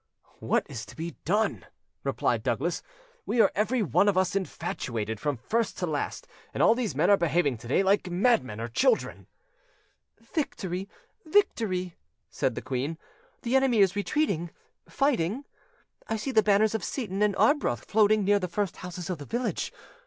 "What is to be done?" replied Douglas. "We are every one of us infatuated, from first to last, and all these men are behaving to day like madmen or children." "Victory! victory!" said the queen; "the enemy is retreating, fighting. I see the banners of Seyton and Arbroath floating near the first houses in the village.